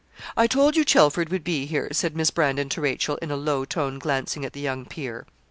'I told you Chelford would be here,' said Miss Brandon to Rachel, in a low tone, glancing at the young peer.